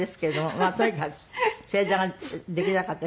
まあとにかく正座ができなかった。